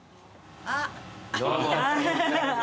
あっ。